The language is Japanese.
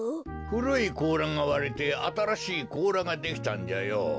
ふるいこうらがわれてあたらしいこうらができたんじゃよ。